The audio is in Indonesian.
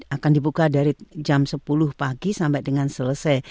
akan dibuka dari jam sepuluh pagi sampai dengan selesai